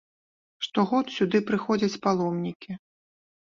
Штогод сюды прыходзяць паломнікі.